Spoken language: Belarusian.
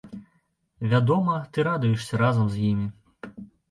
Вядома, ты радуешся разам з імі.